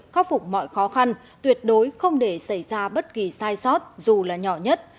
khắc phục mọi khó khăn tuyệt đối không để xảy ra bất kỳ sai sót dù là nhỏ nhất